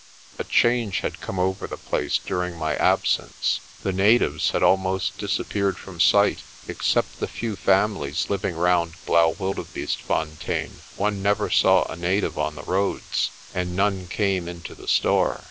A change had come over the place during my absence. The natives had almost disappeared from sight. Except the few families living round Blaauwildebeestefontein one never saw a native on the roads, and none came into the store.